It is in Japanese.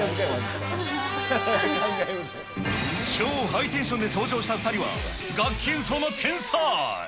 超ハイテンションで登場した２人は、楽器演奏の天才。